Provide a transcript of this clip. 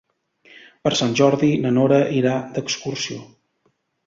Per Sant Jordi na Nora irà d'excursió.